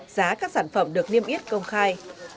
giá các sản phẩm được niêm yết công khai